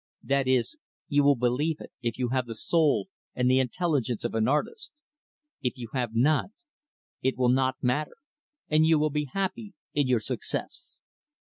That is, you will believe it if you have the soul and the intelligence of an artist if you have not it will not matter and you will be happy in your success."